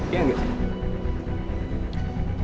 iya gak sih